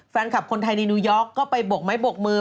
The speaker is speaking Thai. แฟนคลับคนไทยในนิวยอร์กก็ไปบกไม้บกมือ